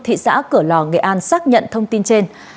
thị xã cửa lò nghệ an xác nhận thông tin trên